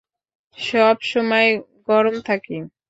সবসময় গরম থাকি।